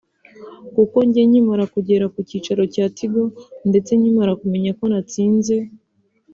kuko njye nkimara kugera ku cyicaro cya Tigo ndetse nkimara kumenya ko natsinze